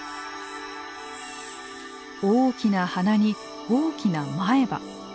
大きな鼻に大きな前歯。